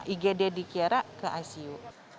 igd di kiara ke icu